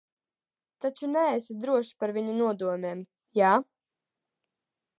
Taču neesi drošs par viņu nodomiem, jā?